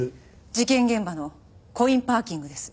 事件現場のコインパーキングです。